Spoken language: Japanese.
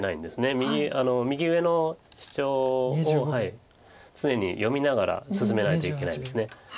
右上のシチョウを常に読みながら進めないといけないんです。